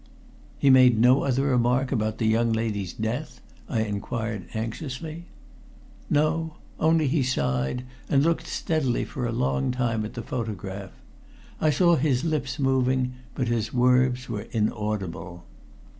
"He made no other remark about the young lady's death?" I inquired anxiously. "No. Only he sighed, and looked steadily for a long time at the photograph. I saw his lips moving, but his words were inaudible."